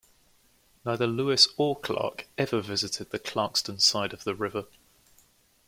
Neither Lewis or Clark ever visited the Clarkston side of the river.